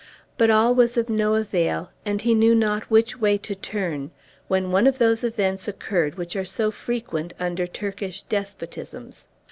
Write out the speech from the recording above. But all was of no avail, and he knew not which way to turn, when one of those events occurred which are so frequent under Turkish despotisms.